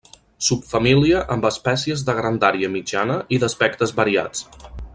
Subfamília amb espècies de grandària mitjana i d'aspectes variats.